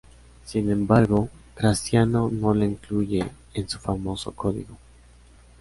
Sin embargo, Graciano no lo incluye en su famoso "Código".